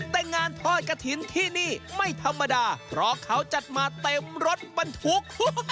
แต่งานทอดกระถิ่นที่นี่ไม่ธรรมดาเพราะเขาจัดมาเต็มรถบรรทุก